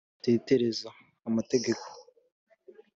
Natetereza amategeko